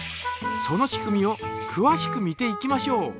その仕組みをくわしく見ていきましょう。